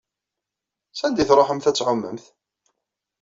Sanda i tṛuḥemt ad tɛumemt?